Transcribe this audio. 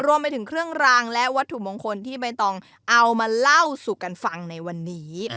รวมไปถึงเครื่องรางและวัตถุมงคลที่ใบตองเอามาเล่าสู่กันฟังในวันนี้